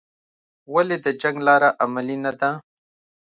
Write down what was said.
ولې د جنګ لاره عملي نه ده؟